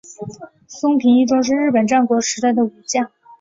松平伊忠是日本战国时代的武将。